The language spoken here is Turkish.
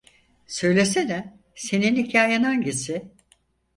Söylesene, senin hikayen hangisi?